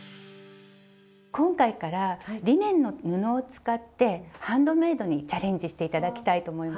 今回からリネンの布を使ってハンドメイドにチャレンジして頂きたいと思います。